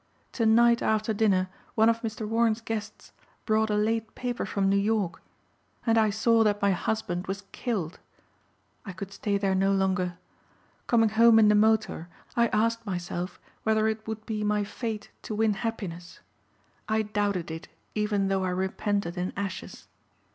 To night after dinner one of Mr. Warren's guests brought a late paper from New York and I saw that my husband was killed. I could stay there no longer. Coming home in the motor I asked myself whether it would be my fate to win happiness. I doubted it even though I repented in ashes.